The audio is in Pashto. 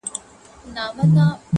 • دروازه د هر طبیب یې ټکوله -